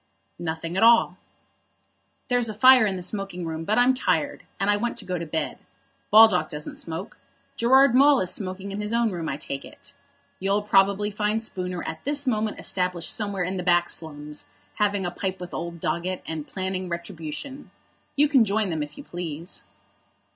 "Nothing at all." "There's a fire in the smoking room, but I'm tired, and I want to go to bed. Baldock doesn't smoke. Gerard Maule is smoking in his own room, I take it. You'll probably find Spooner at this moment established somewhere in the back slums, having a pipe with old Doggett, and planning retribution. You can join them if you please."